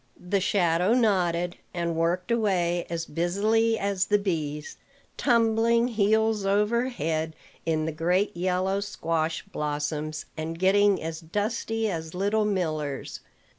The shadow nodded, and worked away as busily as the bees, tumbling heels over head in the great yellow squash blossoms, and getting as dusty as little millers.